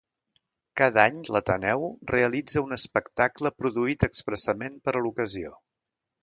Cada any l'Ateneu realitza un espectacle produït expressament per a l'ocasió.